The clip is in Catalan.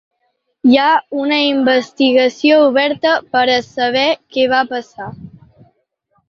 Hi ha una investigació oberta per a saber què va passar.